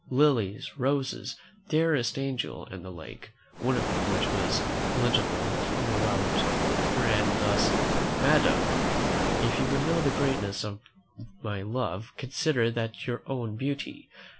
lilies! roses! dearest angel! and the like. One of them, which was legible throughout, ran thus: "MADAM, "If you would know the greatness of my love, consider that of your own beauty.